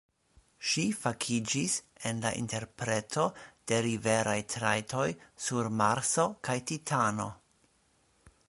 Ŝi fakiĝis en la interpreto de riveraj trajtoj sur Marso kaj Titano.